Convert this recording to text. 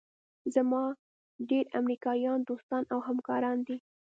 زما ډېر امریکایان دوستان او همکاران دي.